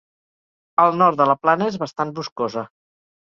El nord de la plana és bastant boscosa.